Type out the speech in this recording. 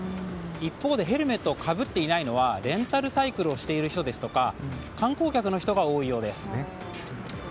一方でヘルメットをかぶっていないのはレンタルサイクルをしている人や観光客の人が多いようです。